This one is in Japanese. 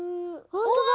ほんとだ！